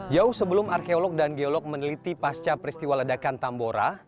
jauh sebelum arkeolog dan geolog meneliti pasca peristiwa ledakan tambora